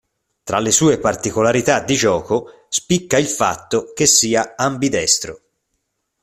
Tra le sue particolarità di gioco spicca il fatto che sia ambidestro.